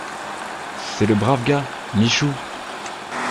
C’est le brave gars, Michou.